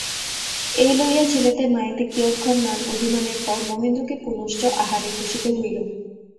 এই লইয়া ছেলেতে মায়েতে কিয়ৎক্ষণ মান-অভিমানের পর মহেন্দ্রকে পুনশ্চ আহারে বসিতে হইল।